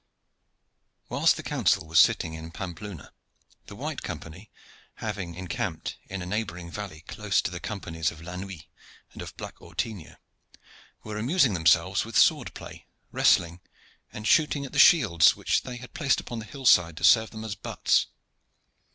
Whilst the council was sitting in Pampeluna the White Company, having encamped in a neighboring valley, close to the companies of La Nuit and of Black Ortingo, were amusing themselves with sword play, wrestling, and shooting at the shields, which they had placed upon the hillside to serve them as butts.